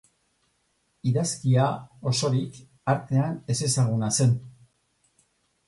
Idazkia, osorik, artean ezezaguna zen.